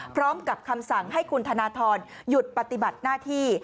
พร้อมกับคำสั่งให้คุณธนทรหยุดปฏิบัติหน้าที่